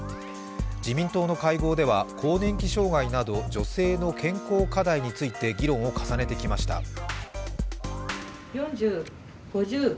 自民党の会合では更年期障害など女性の健康課題について議論を重ねてきました。